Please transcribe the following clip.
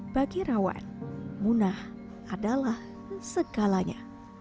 bagi rawan munah adalah segalanya